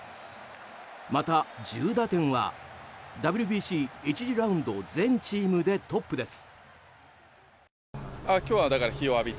また、１０打点はＷＢＣ１次ラウンド全チームでトップです。